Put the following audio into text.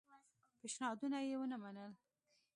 پېشنهادونه یې ونه منل.